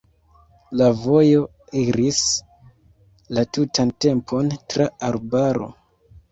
La vojo iris la tutan tempon tra arbaro.